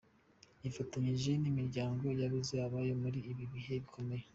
Nifatanyije n’imiryango yabuze abayo muri ibi bihe bikomeye.